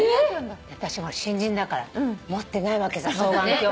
私新人だから持ってないわけ双眼鏡。